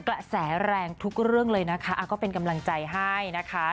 กระแสแรงทุกเรื่องเลยนะคะก็เป็นกำลังใจให้นะคะ